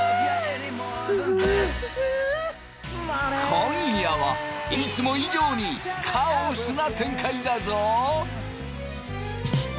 今夜はいつも以上にカオスな展開だぞ。